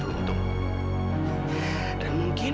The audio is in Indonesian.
mungkin juga aku santi dan seseorang ini